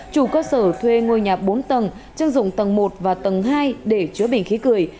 chủ cơ sở thuê ngôi nhà bốn tầng chân dùng tầng một và tầng hai để chữa bình khí cười